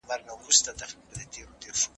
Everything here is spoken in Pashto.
د غوښې د ساتلو لپاره له یخچال څخه استفاده وکړئ.